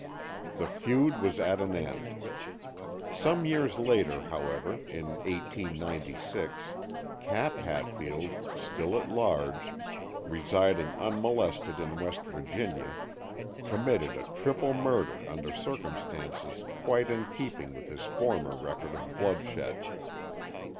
The feud was at an end. Some years later, however, in 1896, Cap Hatfield, still at large, residing unmolested in West Virginia, committed a triple murder under circumstances quite in keeping with his former record of bloodshed.